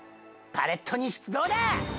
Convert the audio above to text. パレットに出動だ！